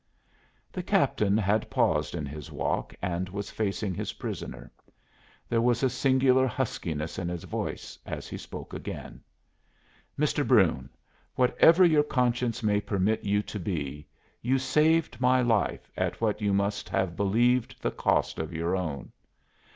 The captain had paused in his walk and was facing his prisoner. There was a singular huskiness in his voice as he spoke again. "Mr. Brune, whatever your conscience may permit you to be, you saved my life at what you must have believed the cost of your own.